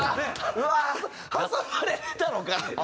うわー！挟まれたのか。